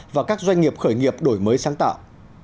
và các doanh nghiệp khởi nghiệp đổi mới sáng tạo